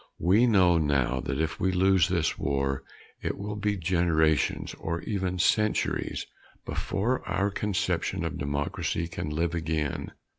We know now that if we lose this war it will be generations or even centuries before our conception of democracy can live again.